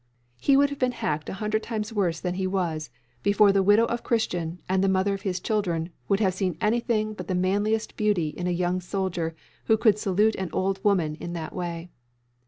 He would have been hacked a hundred times worse than he was before the widow of Christian, and the mother of his children, would have seen anything but the manliest beauty in a young soldier who could salute an old woman in that way.